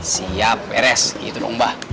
siap beres gitu dong bah